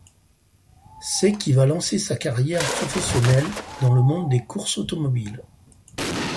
C'est qui va lancer sa carrière professionnelle dans le monde des courses automobiles.